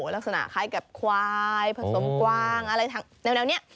ลักษณะคล้ายกับควายผสมกวางอะไรแนวนี้